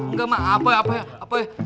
enggak mbak apa ya apa ya apa ya